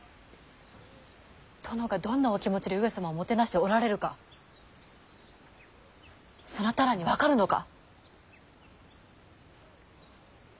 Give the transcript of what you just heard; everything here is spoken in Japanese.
殿がどんなお気持ちで上様をもてなしておられるかそなたらに分かるのか。